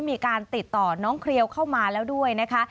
มีการติดต่อน้องเครียวเข้ามาแล้วด้วยนะคะ